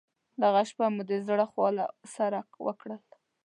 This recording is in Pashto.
دغه شپه مو د زړه خواله سره وکړل.